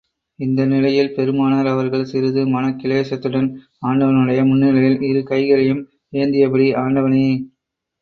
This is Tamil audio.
இந்த நிலையில், பெருமானார் அவர்கள் சிறிது மனக்கிலேசத்துடன், ஆண்டவனுடைய முன்னிலையில் இரு கைகளையும் ஏந்தியபடி, ஆண்டவனே!